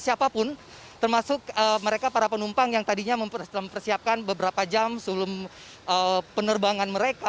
siapapun termasuk mereka para penumpang yang tadinya mempersiapkan beberapa jam sebelum penerbangan mereka